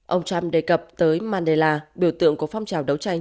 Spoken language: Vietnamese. ông trump đề cập tới mandela biểu tượng của phong trào đấu tranh